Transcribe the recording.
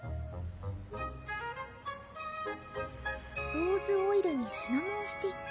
ローズオイルにシナモンスティック